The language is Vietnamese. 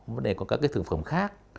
vấn đề có các cái thực phẩm khác